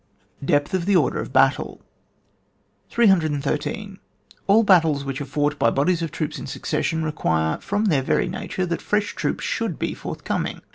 Depth of the Order of Battle. 313. All battles which are to be fought by bodies of troops in succession, require from their very nature that fresh troops should be forthcoming.